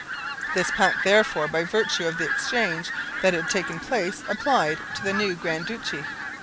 This pact therefore, by virtue of the exchange that had taken place, applied to the new Grand Duchy.